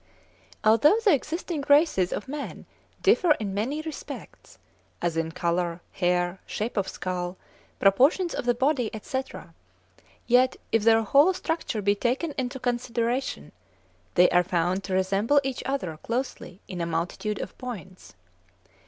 Although the existing races of man differ in many respects, as in colour, hair, shape of skull, proportions of the body, etc., yet if their whole structure be taken into consideration they are found to resemble each other closely in a multitude of points.